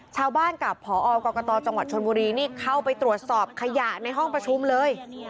ชาวบ้านกับพอกรกตจังหวัดชนบุรีนี่เข้าไปตรวจสอบขยะในห้องประชุมเลย